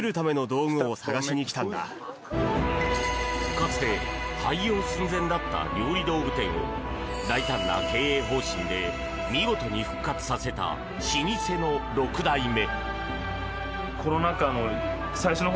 かつて廃業寸前だった料理道具店を大胆な経営方針で見事に復活させた老舗の６代目。